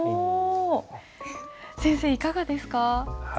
先生いかがですか？